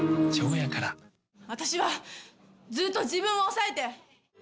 私はずっと自分を抑えて。